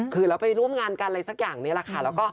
คือเราไปร่วมงานกันอะไรสักอย่างนี้แหละค่ะ